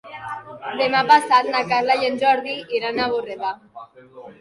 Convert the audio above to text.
Demà passat na Carla i en Jordi iran a Borredà.